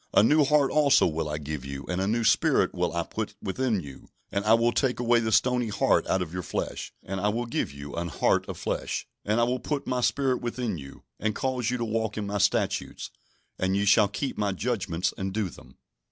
A new heart also will I give you, and a new spirit will I put within you: and I will take away the stony heart out of your flesh, and I will give you an heart of flesh. And I will put My Spirit within you, and cause you to walk in My statutes, and ye shall keep My judgments, and do them."